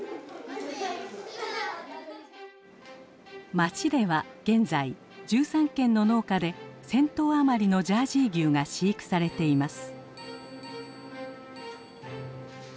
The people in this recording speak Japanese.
町では現在１３軒の農家で１，０００頭余りのジャージー牛が飼育されています。